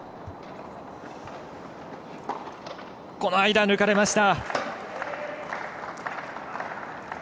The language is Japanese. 間、抜かれました。